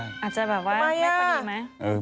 อาจจะแบบว่าไม่พอดีไหม